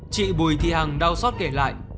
chị bùi thị hằng đau xót kể lại